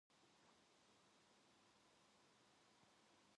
그것은